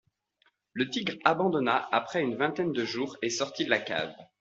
Le tigre abandonna après une vingtaine de jours et sortit de la cave.